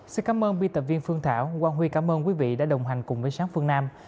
xin cảm ơn biên tập viên phương thảo quang huy cảm ơn quý vị đã đồng hành cùng với sáng phương nam